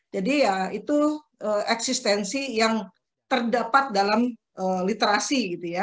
jadi itu eksistensi yang terdapat dalam literasi